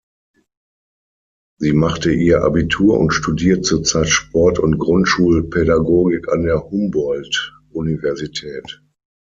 Sie machte ihr Abitur und studiert zurzeit Sport und Grundschulpädagogik an der Humboldt-Universität.